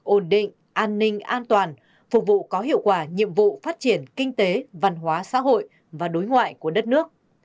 ổn định an ninh an toàn phục vụ có hiệu quả nhiệm vụ phát triển kinh tế văn hóa xã hội và đối ngoại của đất nước